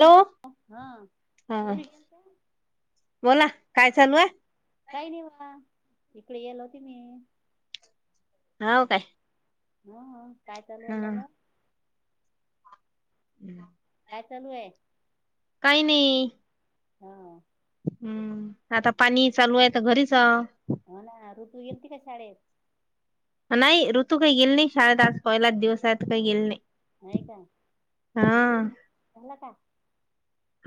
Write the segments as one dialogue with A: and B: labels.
A: Hello
B: हा
A: हा
B: कुठे गेलता?
A: बोला काय चालू आहे
B: काही नाही बा इकडे येल होते मी
A: हाव काय
B: हा काय चालू
A: हा
B: आहे त्याला
A: हम्
B: काय चालू आहे
A: काही नाही
B: हा
A: हम्म आता पाणी चालू आहे तर घरीच हाव
B: तू गेलती का शाळेत
A: नाही ऋतू काही गेले नाही शाळेत आज पहिलाच दिवस काही गेल नाही
B: नाहीय का
A: हा
B: [unintelligible] झाला का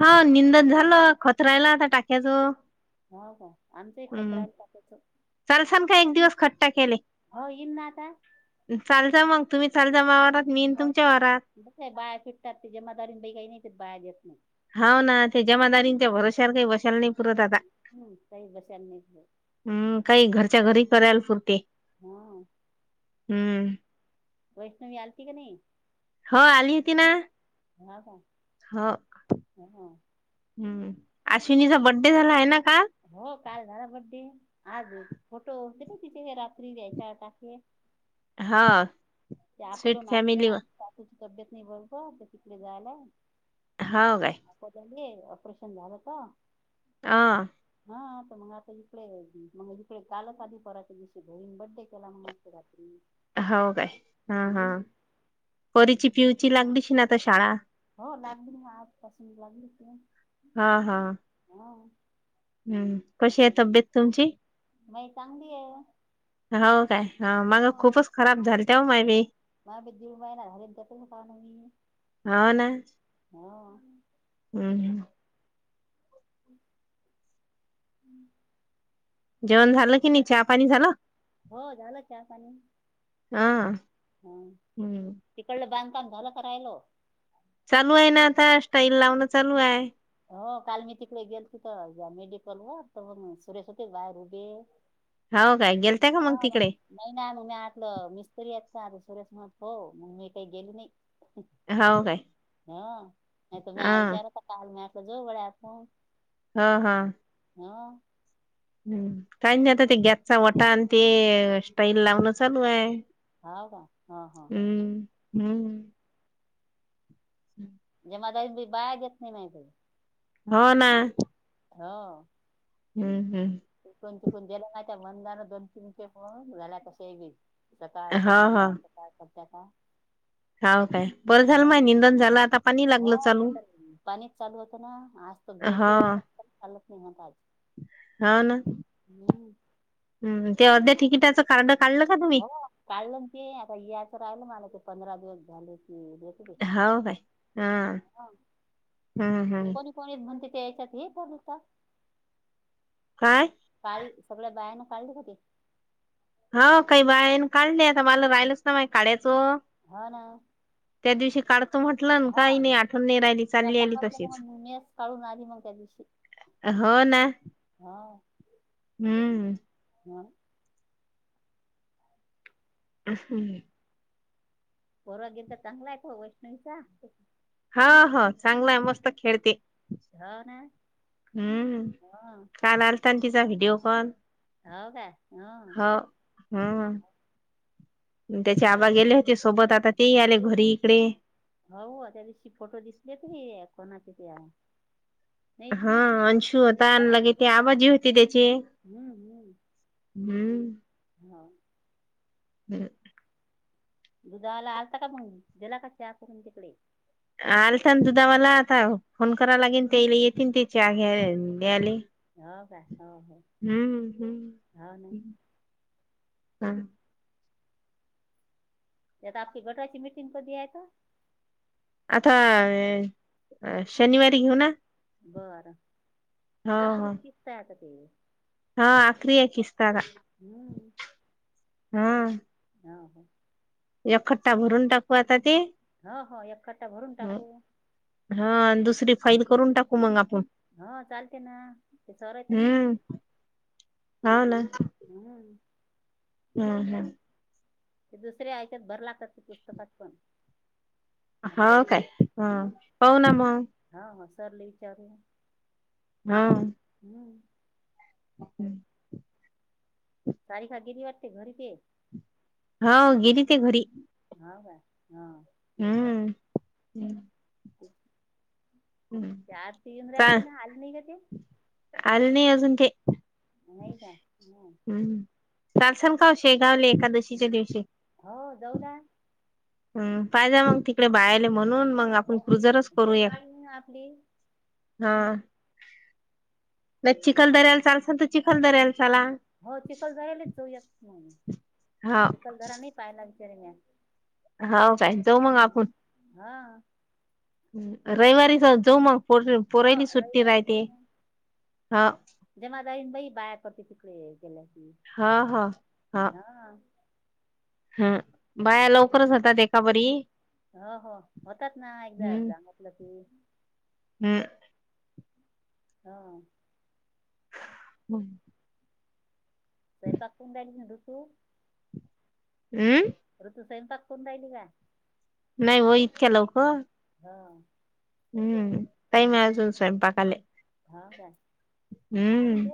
A: हा निंदन झालं खत रायला आता टाक्याचं
B: हो आमचाही खत
A: हम्म
B: राहील टाकायचं
A: चालसान एक दिवस खत टाक्याले
B: ना आता
A: चाल जा मग तुम्ही चाल जा मा वावरात मी येईन
B: हो
A: तुमच्या वावरात
B: कस्याही बाया फिटतात ते जमादारीन काही नाही बाया देत नाही
A: हा ना ते जमादारींच्या भरवस्यावर काही बशाले नाही पुरत आता
B: हम्म काही बसायला नाही देत.
A: हम् काही घरच्या घरी करायला पुरते
B: हा
A: हम्म
B: वैष्णवी आलती कि नाही
A: ती ना
B: हा हा
A: ह हम्म अश्विनीचा बड्डे झाला आहे ना काल
B: हो काल दरा बड्डे आजच फोटो त रात्री त्या याचार टाकेल
A: हा
B: ते
A: स्वीट
B: अकोल्याहून
A: फॅमिली हो
B: ची तब्येत नाही बोरोबरतिकडे जायल आहे
A: हा काय
B: ऑपरेशन झालं त
A: आ
B: हा मग आता इकडे मग इकडे कालच आली परवाच्या दिवशी घरी बड्डे केला मग आज रात्री
A: हो काय हा हा
B: हम्म
A: परीची पिऊची लागलीअशील आता शाळा
B: हो लागली ना आजपासून लागली क
A: हा हा
B: हो
A: हम्म कशी आहे तब्येत तुमची
B: मई चांगली आहे
A: हो काय माग खूपच खराब झालत्या तव माय बाई
B: माग मी दीड महिना झाली त्यातच हाव मी
A: हो ना
B: हो
A: हम्म हम
B: हम्
A: जेवण झालं की नाही चहा पाणी झालं
B: हो झालं चाहा पाणी
A: हा हम्म
B: तिकडलं बांध काम झालं का राहील
A: चालू आहे ना आता स्टाईल लावणं चालू आहे
B: हो काल मी तिकडे गेलती त मेडिकल वर तर मग सुरेश होते बाहेर ऊभे
A: हो काय गेलत्या का मग
B: हा म
A: तिकडे
B: नैना म्या म्हटलं मिस्त्री आहेत आ सुरेश मनत हो मग मी काही गेली नाही
A: हो काय
B: हो नाही तुम्ही आई
A: अ
B: विचाराता काल म कजो वड्या आपो
A: हा हा
B: हा
A: हम्म काही नाही आता ते गॅसचा कटा आणि ते स्टाईल लावणं चालू आहे
B: हा का हा हा
A: हम्म हम्म हम्
B: ी बाॅग घेत नाही माहित
A: हो ना
B: हा
A: हम्म हम्म
B: कोण तिकण गेल्या नाहीहि त्या म जाान दोन तीन पेप झाल्या तस एग सकाळ
A: हो
B: संध्याकाळ सकाळ सध्या काळ
A: हा काय बरं झालं माय निंदन झालं आता पाणी
B: हो
A: लागलं चालू
B: गे तेवार चालत नाही आता आज
A: हा ना
B: हम्
A: हम्म ते अर्ध्या तिकीटाचं कारड
B: हो काढलं ते आता याचं राहिल मला ते पंधरा दिवस झाले की देते ते
A: हो काय हम
B: हा
A: हम्म हम्म
B: कोणी कोणी म्हणते याच्यात हे बलूता
A: काय
B: काल सगळ्या बायान काज कती
A: हो काही बाईण काढली आता मला राहिलच ना मा काढायचं
B: हा ना
A: त्या दिवशी का
B: हा ते्हा
A: आली
B: सांगत मग
A: तशीच
B: मेस काढून आली मग त्या दिवशी
A: हो ना
B: हा
A: हम्म.
B: ह
A: अ हम
B: परवागिंत चंगलायत वैष्णवीसा
A: ह हा चांगला आहे मस्त खेळते
B: हो ना
A: हम्म
B: हा
A: काल आलता आणि तिचा व्हिडीिओ कॉल
B: हो का हम
A: हो हम्म त्याचे आबा गेले होते सोबत आता ते आले घरी इकडे
B: हो त्या दिवशी फोटो दिसलेत र कोणाचे ते नाही
A: हा अंशू होता आणि
B: अं-
A: लगे ते आवाजी होती त्याचे
B: हम्म
A: हम्म
B: होा
A: हम्
B: दुधाला आलता का मग जला का चहा करून तिकडे
A: आलता ना दुधा मला आता फोन कराव लागेल ते येतील त्या घ्या द्यायले
B: हो का हो हो
A: हम्म
B: ह ना
A: हा
B: याता आपकी बेटाची मीटिंग कर दयता
A: आता शनिवारी घेऊ ना
B: बरं
A: हो
B: अखरी
A: हो
B: किितत आता ते
A: हा आक्रया किस्त. आता
B: हम्म.
A: हा..
B: [inaudible]
A: एक खट्टा भरून टाकू आता ते.
B: ह हो एक खट्टा भरून टाकू.
A: हा आणि दुसरी फाईल करून टाकू मग आप..
B: हा चालते ना ते सर आहे तसेच.
A: हाव ना.
B: हम्म.
A: हम्म हम्.
B: ते दुसरे यच्यात भरला का ते पुस्तकात पण. आपल्या
A: हाव
B: इथे
A: काय हा
B: हम्म
A: पाहु ना मग.
B: हो हो सरले विचारूया.
A: हा. हम्म.
B: सारे सारखे वाटते घरी ते.
A: हाव गेली ती घरी.
B: हाव काय हां.
A: हम्म हम्.
B: [inaudible] त्याआरती ईद्रंआलती
A: चाल
B: ना अली न इ ग ती.
A: कोन ते,
B: नाही का हम्.
A: चाल शाण काव शेगावले एकादशीच्या दिवशी.
B: हो जाऊ ना.
A: हम पाझ्या मग तिकडे बायले म्हणून. मग आपण
B: हो
A: क्रुझरच करूया.
B: जाऊ ना आपली
A: हा नाही चिखल दर्याल चाल सल तर चिखल दर्याल.
B: हो चिखलदरा्यालाच जाऊयात म्हण
A: हा
B: चिखलदरा नाही पाहाला बिचारे ह्या.
A: हव काय. जाऊ
B: हं हा.
A: हम रईवारी स जाऊ मग. पोर
B: हो
A: पोरायली सुट्टी राहते
B: रईवारी,
A: हा
B: जमा दारीन बई बाया करते तिकडे. केला की,
A: हा हा
B: हां.
A: हं बाया लवकरच होतात एका बरी.
B: हो हो होतात ना एकदा सांगतलं की.
A: हम.
B: ह.
A: हम.
B: सैयपाक कउन रायली ना दु तू.
A: हम्म.
B: ऋतू स्वयंपाक कुरुन रायली का.
A: नाही हो इतक्या लवक.
B: हा.
A: हम्म टाईम आजून स्वयंपाकाले.
B: हाव काय.
A: हम्म.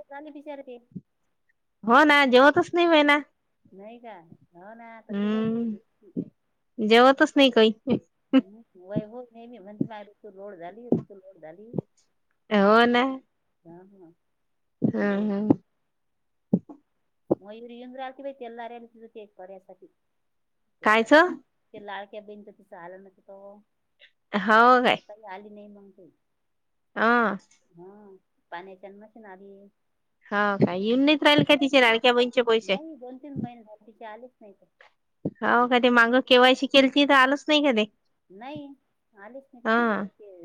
B: ते.
A: हो ना जेवतच नाही महिना.
B: नाही काय.
A: हम्म जेवतच नाही कही.
B: हम वय हो नाहीेमीी म्हणते माझ ऋतू लोड झाली ऋतू लोड झाली.
A: हो ना.
B: ह हा.
A: हम हम.
B: मयुर यंद आती बाय तेलरती पर्यासाठी
A: कायच हो
B: तेला. क्या बन तर तसं आलं ना त त काही आली नाही मग ते.
A: हा.
B: पाण्याच्यान्मशन आध.
A: हा काय येऊन नाहीत राहिल काय तिचे राहि. ब पैसे
B: नाही दोन तीन महिने झाले तिचे आलेच नाही तर
A: हो का ते माग. केव्हाशी केली ती तर आलच नाही कधे.
B: नाही आलेच नाही ति ते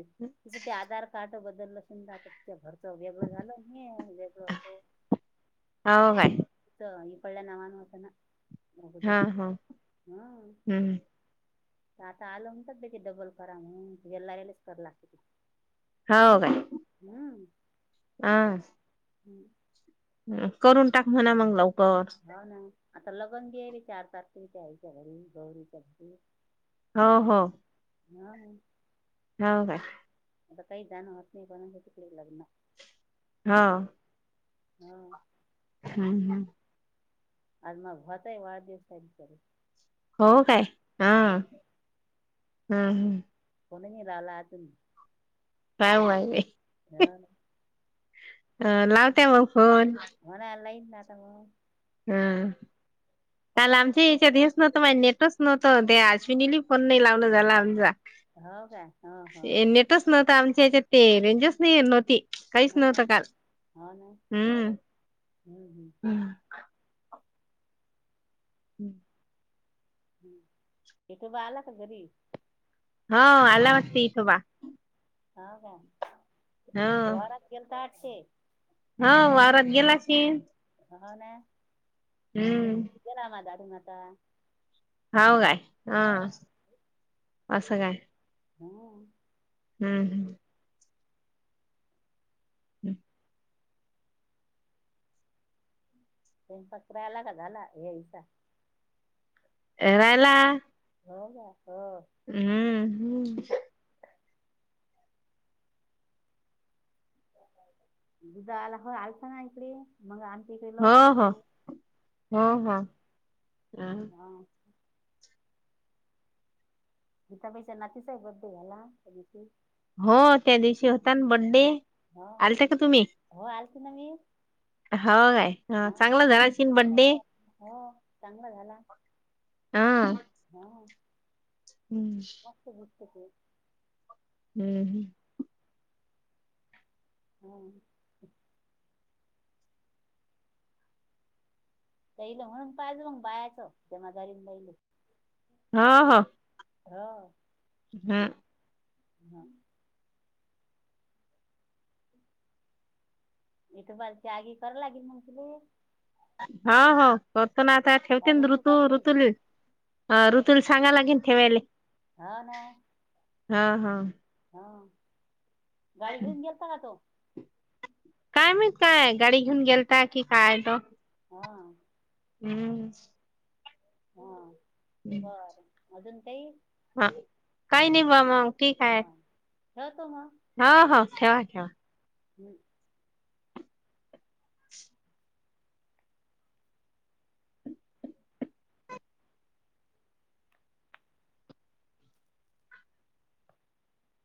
B: तिचं ते आधार कार्ड बदललं असून ज. घरच वेगळं झालं नाही वेगळं
A: हा
B: होत.
A: हो काय
B: इ पल्याला नावान वात ना. अगोदर
A: हा हा
B: हं
A: हम्म.
B: आता आलं म्हणताात बेट डबल करा म्ह त गलाेलेच कर लागते त.
A: हो काय. हह.
B: हम्म.
A: करून टाक म्हणा मग लाव.
B: होा ना आता लगन घे रे चार पाच तरीच्या आईच्या घरी गौरीच्या घरी.
A: हो हो.
B: हा....
A: हो का...
B: आता काही जाणंवत नाही पण हे चुकले लग्न....
A: हा....
B: हा....
A: हम्म हम्म....
B: आजमा होताय वाढ दिवस का कर....
A: हो काय हा हम् हम्.
B: कोणी नि राला आ तुम्ही.
A: हाय आहे. अ लावत्या मग. फोन
B: होणा लही नाता म.
A: हा. काल आमच्या याच्यात देस नव्हतं माझे नेटच नव्हतं ते अश्विनील फोन नाही लावण झाला आमचा.
B: हो का हो हो
A: नटच नव्हत आमच्या याच्यात ते रेंजच नाही नव्हती. काहीच
B: हो
A: नव्हतं काल
B: हो ना
A: हम्मम.
B: हम्म हम्म
A: हम्म.
B: हम् इथे बालक गरीब.
A: होा आला वास्तथोबा.
B: हो का वरात केलता आटची.
A: होा वारात गेला की....
B: हो ना ते
A: हम्म
B: केला मा दाड नाता....
A: हाव काय हा असं काय....
B: हम....
A: हम्म हम.... हम....
B: प पकरायला का झाला हेसा....
A: येरायला.
B: हो का... हो
A: हम्म हम्म....
B: दुध आला हो आलता ना इकडे मग आ... क
A: हो
B: लव
A: हो हो
B: हम
A: हो
B: हा... गीताबाईच्या नातीचा आहे बर्थडे घाला..
A: हो त्या दिवशी होता बड्डे आलता का तुम्ही...
B: कधी नाही...
A: हो काय चांगला झाला की
B: दिसते गीता
A: बड्डे...
B: ताई. हो चांगला झाला हा...
A: हम्म...
B: हो हो...
A: हम्म हम....
B: हम... तहिल म्हणून पाहिजे मंग बायाचं जमा झाारीहिल..
A: हा हा...
B: हा...
A: हा...
B: हम्म... इथे बालची आगी करां लागेल म्हण तुले....
A: हो हो करत ना आता ठेवते
B: दारू तू
A: ऋतू
B: करते
A: ऋतुली... अ ऋतुल सांगाला लागेल ठेवायला...
B: हा ना...
A: हा हा...
B: अ गाडी घेऊन गेलता का तो.
A: काय मी काय गाडी घेऊन गेलताय की काय तो.
B: हा
A: हम्म.
B: हा बर अजून तेही
A: हा काही नाही बा मग ठीक आहे.
B: ह तो म....
A: हा हो ठेवा ठेवा...
B: ह...